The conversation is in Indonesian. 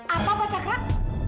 apa pak cakrak